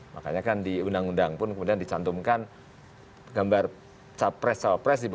makanya kan di undang undang pun kemudian dicantumkan gambar capres cawapres di bawah